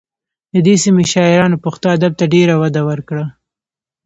د دې سیمې شاعرانو پښتو ادب ته ډېره وده ورکړه